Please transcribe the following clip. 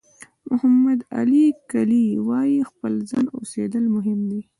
محمد علي کلي وایي خپل ځان اوسېدل مهم دي.